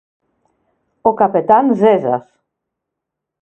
Ο Καπετάν Ζέζας